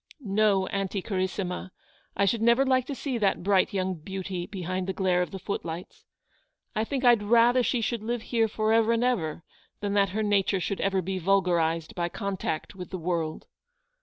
No, aunty carissima, I should never like to see that bright young beauty behind the glare of the foot lights. I think Fd rather she MRS. BANNISTER HOLDS OUT A HELPING HAND. 207 should live here for ever and ever, than that her nature should ever he vulgarised by contact with the world.